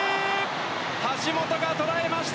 橋本がとらえました。